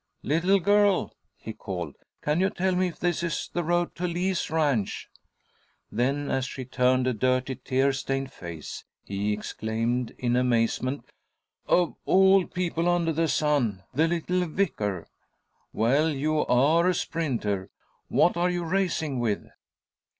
"Little girl," he called, "can you tell me if this is the road to Lee's ranch?" Then, as she turned a dirty, tear stained face, he exclaimed, in amazement, "Of all people under the sun! The little vicar! Well, you are a sprinter! What are you racing with?"